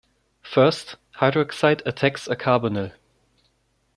First, hydroxide attacks a carbonyl.